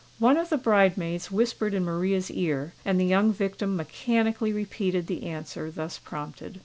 One of the bridemaids whispered in Maria's ear; and the young victim mechanically repeated the answer thus prompted.